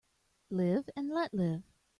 Live and let live.